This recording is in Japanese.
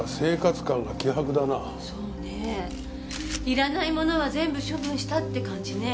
いらないものは全部処分したって感じね。